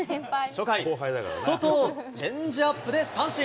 ソトをチェンジアップで三振。